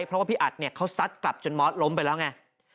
เพราะว่าพี่อัดเนี่ยเขาซัดกลับจนมอสล้มไปแล้วไง